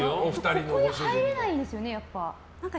ここに入れないですよね。